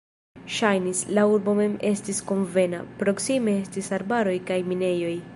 Ŝajnis, la urbo mem estis konvena, proksime estis arbaroj kaj minejoj.